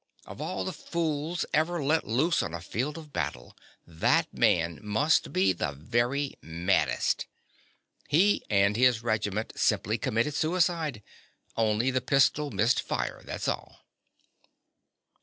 Of all the fools ever let loose on a field of battle, that man must be the very maddest. He and his regiment simply committed suicide—only the pistol missed fire, that's all.